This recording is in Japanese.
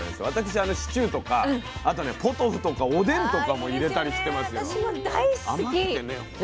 私シチューとかあとねポトフとかおでんとかも入れたりしてますよ。